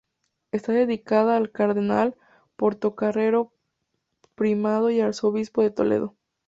Está dedicada al Cardenal Portocarrero, primado y arzobispo de Toledo.